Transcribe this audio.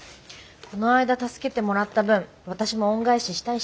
こないだ助けてもらった分私も恩返ししたいし。